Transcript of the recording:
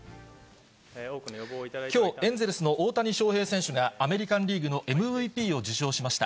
きょう、エンゼルスの大谷翔平選手が、アメリカンリーグのＭＶＰを受賞しました。